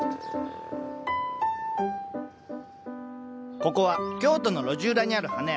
ここは京都の路地裏にある花屋「陽だまり屋」。